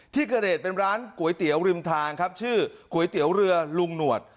ที่เกิดเหตุเป็นร้านก๋วยเตี๋ยวริมทางครับชื่อก๋วยเตี๋ยวเรือลุงหนวด